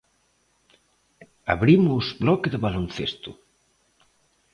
Abrimos bloque de baloncesto.